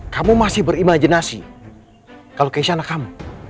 kamu masih berimajinasi kalau keisha anak kamu